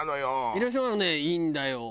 広島のねいいんだよ。